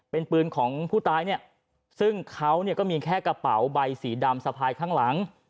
เป็นปืนของผู้ตายเนี่ยซึ่งเขาก็มีแค่กระเป๋าใบสีดำสะพายข้างหลัง